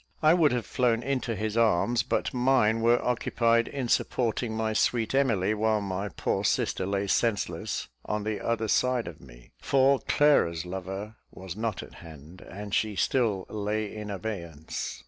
I would have flown into his arms, but mine were occupied in supporting my sweet Emily, while my poor sister lay senseless on the other side of me; for Clara's lover was not at hand, and she still lay in abeyance.